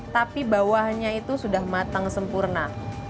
tapi bawahnya itu sudah matang sempurna